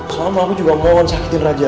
kalau ya kalau bisa aku akan verbingin memilihnya